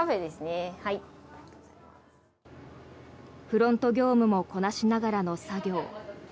フロント業務もこなしながらの作業。